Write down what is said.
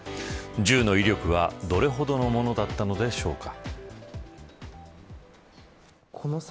銃の威力はどれほどのものだったのでしょうか。